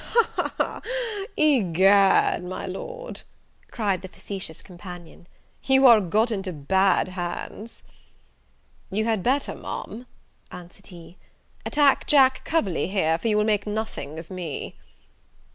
"Ha, ha, ha! Egad, my Lord," cried the facetious companion, "you are got into bad hands." "You had better, Ma'am," answered he, "attack Jack Coverley here, for you will make nothing of me."